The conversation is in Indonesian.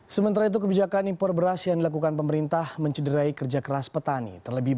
sementara itu kebijakan impor beras yang dilakukan pemerintah mencederai kerja keras petani